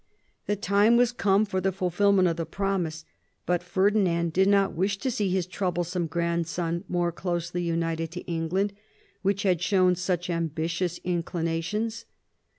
The timovwas n THE FRENCH ALLIANCE 83 come for the fulfilment of the promise ; but Ferdinand did not wish to see his troublesome grandson more closely united to England, which had shown such am bitious inclinations.